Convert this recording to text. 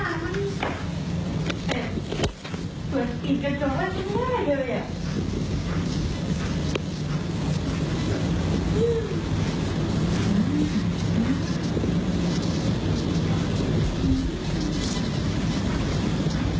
เอ้ยตัวนี้ก็ช่องกับที่นี่เลยนะเยอะแบบนี้